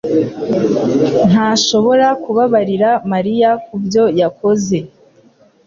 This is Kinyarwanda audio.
ntashobora kubabarira Mariya kubyo yakoze